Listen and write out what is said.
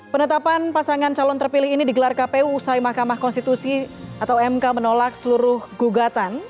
penetapan pasangan calon terpilih ini digelar kpu usai mahkamah konstitusi atau mk menolak seluruh gugatan